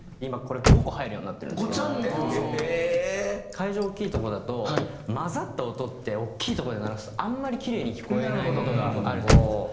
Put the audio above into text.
会場大きいとこだと混ざった音って大きいとこで鳴らすとあんまりキレイに聴こえない事があるじゃないですか。